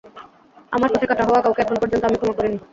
আমার পথে কাঁটা হওয়া কাউকে এখন পর্যন্ত আমি ক্ষমা করিনি।